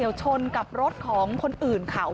ยังเวอร์